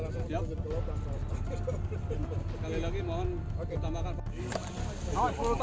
sekali lagi mohon utamakan